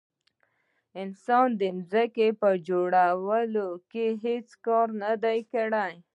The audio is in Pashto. انسان د ځمکې په جوړولو کې هیڅ کار نه دی کړی.